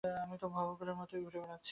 আমি তো ভবঘুরের মত ঘুরেই বেড়াচ্ছি।